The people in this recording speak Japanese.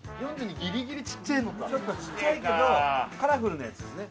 ギリギリちっちぇえのかちょっとちっちゃいけどカラフルなやつですね